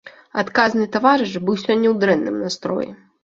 Адказны таварыш быў сёння ў дрэнным настроі.